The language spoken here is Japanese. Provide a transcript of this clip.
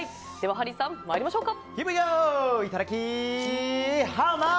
ハリーさん、参りましょうか。